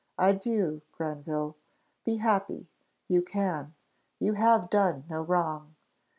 Adieu, Granville! Be happy! you can you have done no wrong.